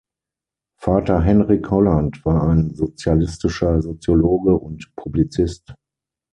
Vater Henryk Holland war ein sozialistischer Soziologe und Publizist.